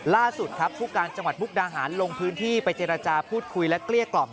ล่าสุดครับผู้การจังหวัดมุกดาหารลงพื้นที่ไปเจรจาพูดคุยและเกลี้ยกล่อม